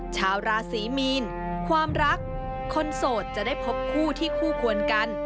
ชาวราศีมีนความรักคนโสดจะได้พบคู่ที่คู่ควรกัน